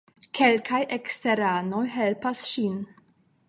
Kelkaj eksterteranoj helpas ŝin.